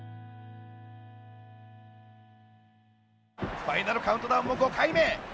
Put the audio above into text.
ファイナルカウントダウンも５回目。